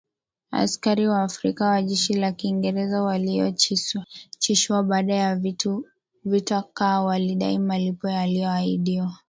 askari Waafrika wa jeshi la Kiingereza walioachishwa baada ya vita kuu walidai malipo waliyoahidiwa